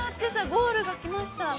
ゴールが来ました。